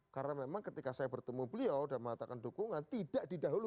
karena memang ketika saya bertemu beliau dan mengatakan dukungan tidak didahului